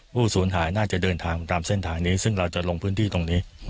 ผู้สูญหายน่าจะเดินทางตามเส้นทางนี้ซึ่งเราจะลงพื้นที่ตรงนี้